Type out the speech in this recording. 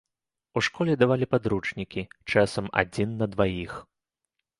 У школе давалі падручнікі, часам, адзін на дваіх.